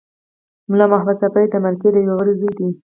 ملا محمد ساپي د مرکې د یوه غړي زوی دی.